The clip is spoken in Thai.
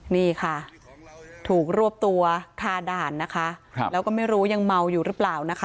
นี่ค่ะถูกรวบตัวคาด่านนะคะแล้วก็ไม่รู้ยังเมาอยู่หรือเปล่านะคะ